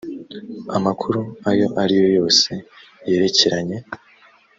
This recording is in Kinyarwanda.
amakuru ayo ari yo yose yerekeranye